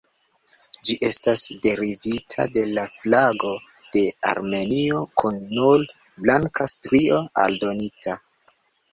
Ĝi estas derivita de la flago de Armenio, kun nur blanka strio aldonita.